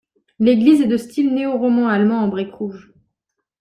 L'église est de style néoroman allemand en briques rouges.